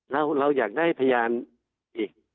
เราอยากได้พยานอีก